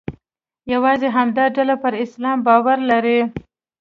یوازې همدا ډله پر اسلام باور لري.